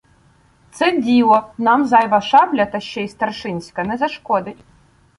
— Це діло! Нам зайва шабля, та ще й старшинська, не зашкодить.